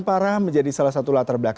lrt jawa debek